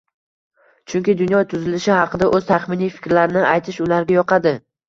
chunki dunyo tuzilishi haqida o‘z taxminiy fikrlarini aytish ularga yoqadi.